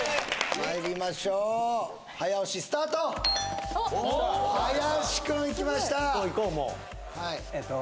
まいりましょう早押しスタート林くんいきました・いこういこう